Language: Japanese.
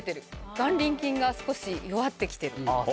眼輪筋が少し弱って来てる。